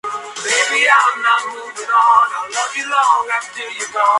Llegando la nube de ceniza a la ciudad de Guayaquil.